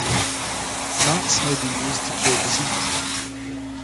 Knots may be used to cure disease.